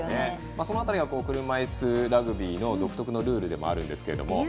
その辺りが車いすラグビーの独特のルールでもあるんですけれども。